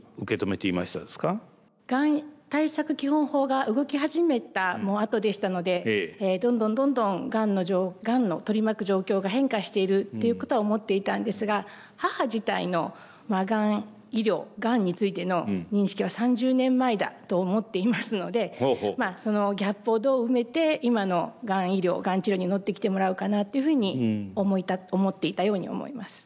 がん対策基本法が動き始めたあとでしたのでどんどんどんどんがんの取り巻く状況が変化しているっていうことは思っていたんですが母自体のがん医療がんについての認識は３０年前だと思っていますのでそのギャップをどう埋めて今のがん医療がん治療に乗ってきてもらうかなっていうふうに思っていたように思います。